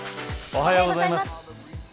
おはようございます。